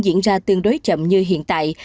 diễn ra tương đối chậm như hiện tại